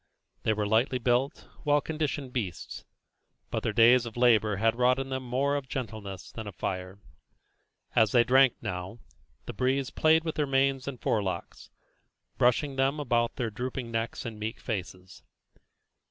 They were lightly built, well conditioned beasts, but their days of labour had wrought in them more of gentleness than of fire. As they drank now, the breeze played with their manes and forelocks, brushing them about their drooping necks and meek faces.